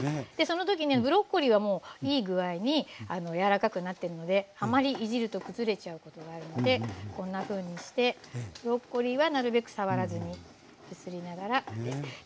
でその時にブロッコリーはもういい具合に柔らかくなってるのであまりいじると崩れちゃうことがあるのでこんなふうにしてブロッコリーはなるべく触らずに揺すりながらです。